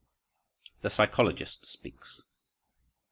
… The Psychologist Speaks.